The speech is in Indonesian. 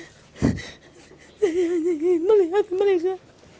saya hanya ingin melihat mereka